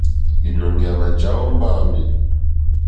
Līnɔ̄ŋgɛ̄ à mà jàá ó mbáāmì.